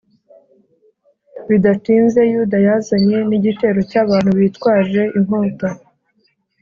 Bidatinze Yuda yazanye n igitero cy abantu bitwaje inkota